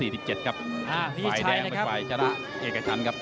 ฝ่ายแดงเป็นฝ่ายชนะเอกชันครับ